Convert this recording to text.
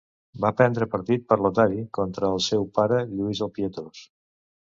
Va prendre partit per Lotari contra el seu pare Lluís el Pietós.